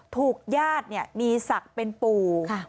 ถูกญาติมีศักดิ์เป็นปู่